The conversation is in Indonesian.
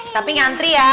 tapi ngantri ya